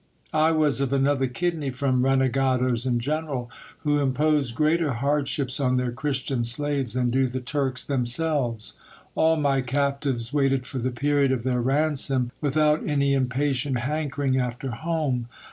I was of another kidney from renegadoes in general, who impose greater hardships on their Christian slaves than do the Turks themselves. All my captives waited for the period of their ransom, without any impatient hankering after home.